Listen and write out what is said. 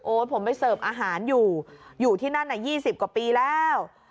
โอ้ผมไปเสิร์ฟอาหารอยู่อยู่ที่นั่นน่ะยี่สิบกว่าปีแล้ว